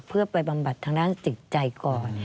เพื่อไปบำบัดทางด้านจิตใจก่อน